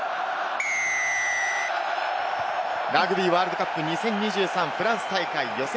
ラグビーワールドカップ２０２３、フランス大会予選